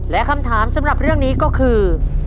และคำถามสำหรับเรื่องนี้ก็คือ